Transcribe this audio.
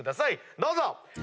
どうぞ。